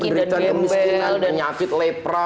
penderita kemiskinan dan nyakit lepra